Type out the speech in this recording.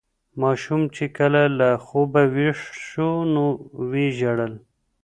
ماشوم چې کله له خوبه ویښ شو نو ویې ژړل.